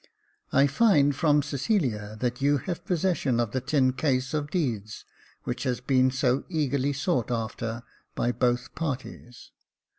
"I find from Cecilia that you have possession of the tin case of deeds which has been so eagerly sought after by both parties.